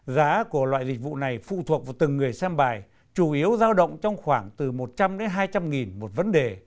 giá của loại dịch vụ này phụ thuộc vào từng người xem bài chủ yếu giao động trong khoảng từ một trăm linh đến hai trăm linh nghìn một vấn đề